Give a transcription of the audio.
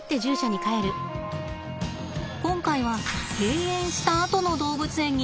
今回は閉園したあとの動物園に注目しました。